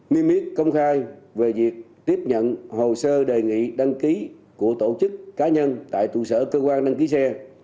mimic công khai về việc tiếp nhận hồ sơ đề nghị đăng ký của tổ chức cá nhân tại tụ sở cơ quan đăng ký xe